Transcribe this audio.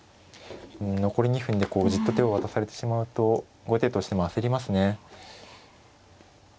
残り２分でじっと手を渡されてしまうと後手としても焦りますね。